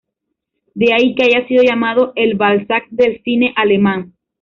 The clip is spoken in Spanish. De ahí que haya sido llamado el Balzac del cine alemán.